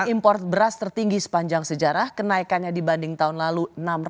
import beras tertinggi sepanjang sejarah kenaikannya dibanding tahun lalu enam ratus